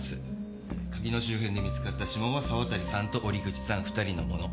鍵の周辺で見つかった指紋は沢渡さんと折口さん２人のもの。